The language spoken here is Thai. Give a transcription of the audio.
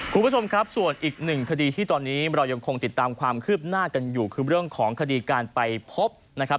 คุณผู้ชมครับส่วนอีกหนึ่งคดีที่ตอนนี้เรายังคงติดตามความคืบหน้ากันอยู่คือเรื่องของคดีการไปพบนะครับ